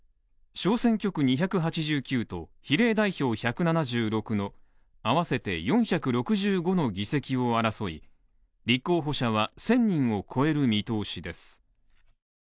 小選挙区２８９と、比例代表１７６の、合わせて４６５の議席を争い、立候補者は１０００人を超える見通しです。